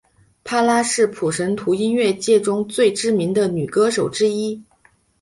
帕拉是普什图音乐界中最知名的女歌手之一。